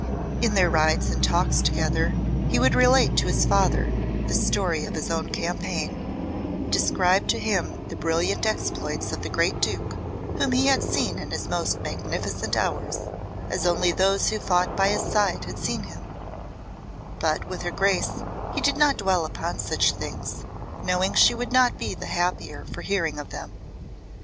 In their rides and talks together he would relate to his father the story of his campaign, describe to him the brilliant exploits of the great Duke, whom he had seen in his most magnificent hours, as only those who fought by his side had seen him; but with her Grace he did not dwell upon such things, knowing she would not be the happier for hearing of them.